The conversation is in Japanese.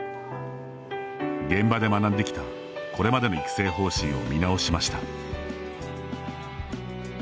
現場で学んできた、これまでの育成方針を見直しました。